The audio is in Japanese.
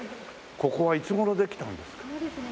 ここはいつ頃できたんですか？